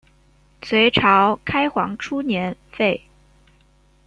隋朝开皇初年废。